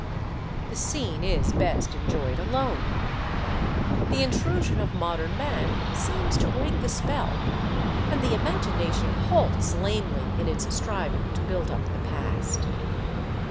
The scene is best enjoyed alone. The intrusion of modern man seems to break the spell, and the imagina tion halts lamely in its striving to build up the past.